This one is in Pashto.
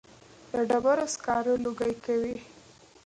د ډبرو سکاره لوګی کوي